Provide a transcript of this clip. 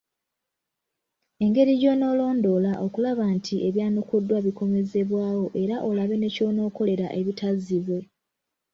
Engeri gy’onoolondoola okulaba nti ebyanukuddwa bikomezebwawo era olabe ne ky’onookolera ebitazzibwe.